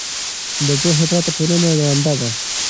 د پوهې پرته ټولنه ړنده ده.